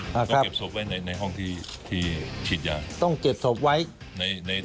แล้วก็เก็บศพไว้ในในห้องที่ที่ฉีดยาต้องเก็บศพไว้ในใน